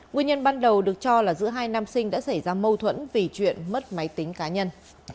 nguyên nhân ban đầu được cho là giữa hai nam sinh đã xảy ra mâu thuẫn vì chuyện mất máy tính cá nhân